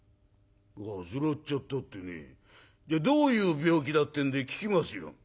「患っちゃったってねじゃあどういう病気だってんで聞きますよ」。